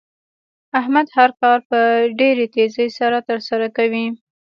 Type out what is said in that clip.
احمد هر کار په ډېرې تېزۍ سره تر سره کوي.